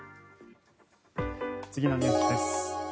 次のニュースです。